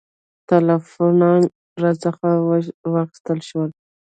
ټلفونونه راڅخه واخیستل شول.